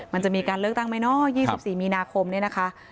มันจะมีการเลือกตั้งไหมเนาะ๒๔มีนาคมเนี่ยนะคะ